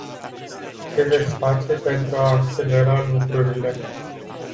Ce veți face pentru a accelera lucrurile?